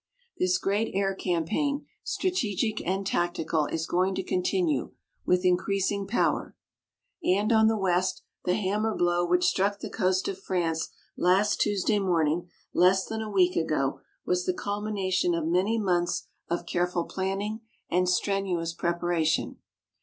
This great air campaign, strategic and tactical, is going to continue with increasing power. And on the west the hammer blow which struck the coast of France last Tuesday morning, less than a week ago, was the culmination of many months of careful planning and strenuous preparation.